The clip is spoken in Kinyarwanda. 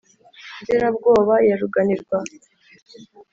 Nzirabwoba ya Ruganirwa.